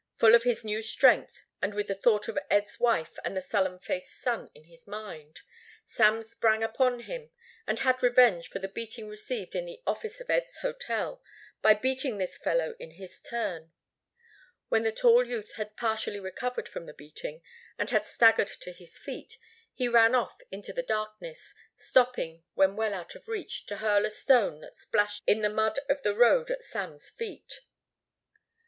Full of his new strength and with the thought of Ed's wife and the sullen faced son in his mind, Sam sprang upon him and had revenge for the beating received in the office of Ed's hotel by beating this fellow in his turn. When the tall youth had partially recovered from the beating and had staggered to his feet, he ran off into the darkness, stopping when well out of reach to hurl a stone that splashed in the mud of the road at Sam's feet.